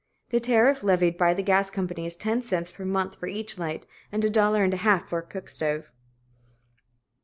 The tariff levied by the gas company is ten cents per month for each light, and a dollar and a half for a cook stove.